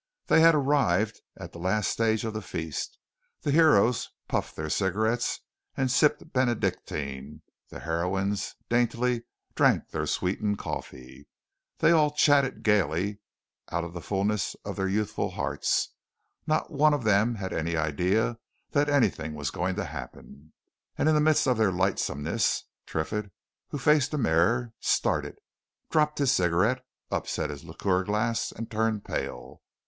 They had arrived at the last stages of the feast; the heroes puffed cigarettes and sipped Benedictine; the heroines daintily drank their sweetened coffee. They all chattered gaily, out of the fulness of their youthful hearts; not one of them had any idea that anything was going to happen. And in the midst of their lightsomeness, Triffitt, who faced a mirror, started, dropped his cigarette, upset his liqueur glass and turned pale.